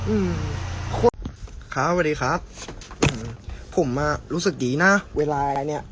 อืมครับสวัสดีครับผมอ่ะรู้สึกดีนะเวลาเนี้ย